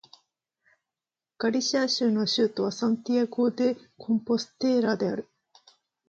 ガリシア州の州都はサンティアゴ・デ・コンポステーラである